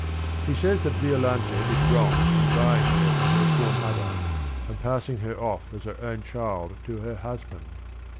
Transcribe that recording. She says that Violante did wrong in buying her from her poor mother and passing her off as her own child to her husband.